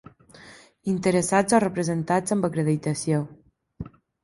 Interessats o representats amb acreditació.